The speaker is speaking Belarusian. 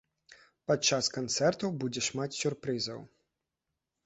Падчас канцэртаў будзе шмат сюрпрызаў.